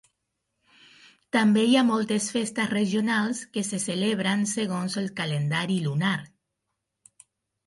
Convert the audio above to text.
També hi ha moltes festes regionals que se celebren segons el calendari lunar.